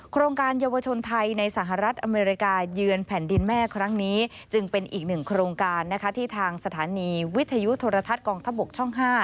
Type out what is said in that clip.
โครงการเยาวชนไทยในสหรัฐอเมริกาเยือนแผ่นดินแม่ครั้งนี้จึงเป็นอีกหนึ่งโครงการที่ทางสถานีวิทยุโทรทัศน์กองทัพบกช่อง๕